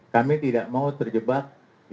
kami tidak mau terjebak